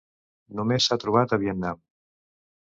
Només s'ha trobat a Vietnam.